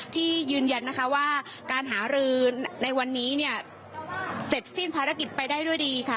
ยืนยันนะคะว่าการหารือในวันนี้เนี่ยเสร็จสิ้นภารกิจไปได้ด้วยดีค่ะ